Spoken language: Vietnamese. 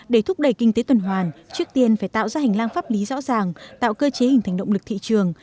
để thúc đẩy kinh tế tuần hoàn trước tiên phải tạo ra hành lang pháp lý rõ ràng tạo cơ chế hình thành động lực thị trường